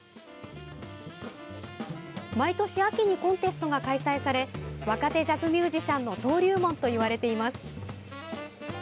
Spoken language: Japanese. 毎年秋にコンテストが開催され若手ジャズミュージシャンの登竜門といわれています。